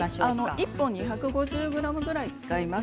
１本２５０ｇくらい使います。